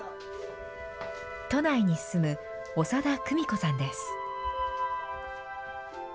都内に住む長田久美子さんです。